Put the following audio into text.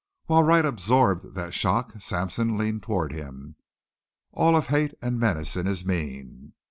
While Wright absorbed that shock Sampson leaned toward him, all of hate and menace in his mien.